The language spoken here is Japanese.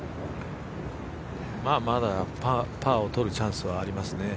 まあまだパーを取るチャンスはありますね。